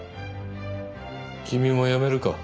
君もやめるか？